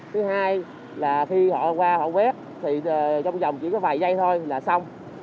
thứ hai là khi họ qua họ quét thì trong vòng chỉ có vài giây thôi là xong